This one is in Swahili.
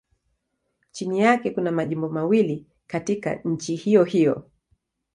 Chini yake kuna majimbo mawili katika nchi hiyohiyo.